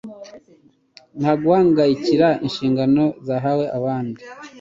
nta guhangayikira inshingano zahawe abandi.